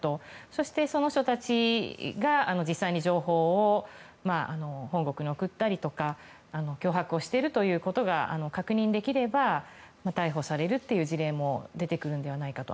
そして、その人たちが実際に情報を本国に送ったりとか脅迫をしていることが確認できれば逮捕されるという事例も出てくるのではないかと。